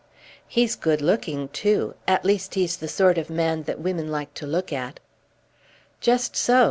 "He's good looking too; at least he's the sort of man that women like to look at." "Just so.